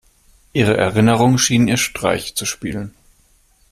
Ihre Erinnerungen schienen ihr Streiche zu spielen.